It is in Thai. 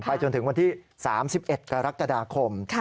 จนถึงวันที่๓๑กรกฎาคม